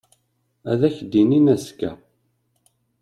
Ad ak-d-inin azekka.